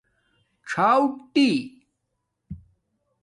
څاݸٹی